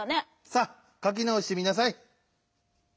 さあかきなおしてみなさい。